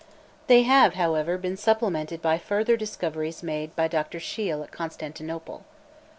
They have, however, been supplemented by further discoveries made by Dr. Scheil at Constantinople.